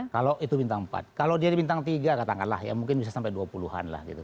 kalau itu bintang empat kalau dia di bintang tiga katakanlah ya mungkin bisa sampai dua puluh an lah gitu